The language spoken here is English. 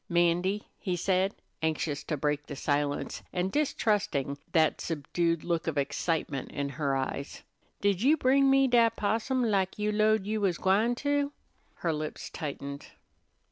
"'Mandy," he said, anxious to break the silence, and distrusting that subdued look of excitement in her eyes, "did you bring me dat possum, lak you 'lowed you was gwine to?" Her lips tightened.